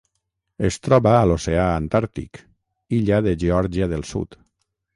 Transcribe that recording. Es troba a l'oceà Antàrtic: illa de Geòrgia del Sud.